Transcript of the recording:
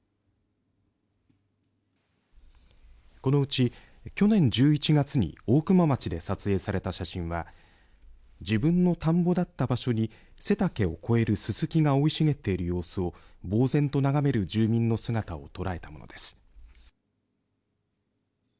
このうち、去年１１月に大熊町で撮影された写真は自分の田んぼだった場所に背丈を越えるすすきが生い茂っている様子を呆然と眺める住民の姿を捉えたものです。